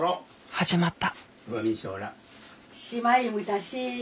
始まった。